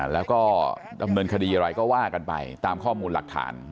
แล้วก็ดำเนินคดีอะไรก็ว่ากันไปตามข้อมูลหลักฐาน